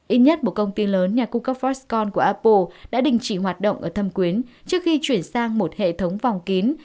ít nhất một công ty lớn nhà cung cấp foxcon của apple đã đình chỉ hoạt động ở thâm quyến trước khi chuyển sang một hệ thống vòng kín